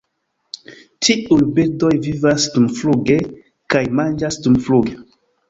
Tiuj birdoj vivas dumfluge kaj manĝas dumfluge.